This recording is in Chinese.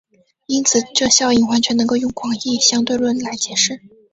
因此这效应完全能够由广义相对论来解释。